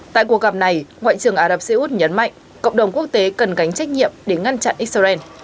tại cuộc gặp này ngoại trưởng ả rập xê út nhấn mạnh cộng đồng quốc tế cần gánh trách nhiệm để ngăn chặn israel